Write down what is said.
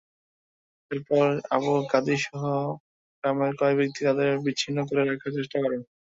এরপর আবু কাজীসহ গ্রামের কয়েক ব্যক্তি তাঁদের বিচ্ছিন্ন করে রাখার চেষ্টা করেন।